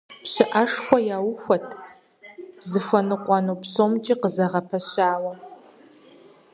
ПщыӀэшхуэ яухуэт, зыхуэныкъуэну псомкӀи къызэгъэпэщауэ,.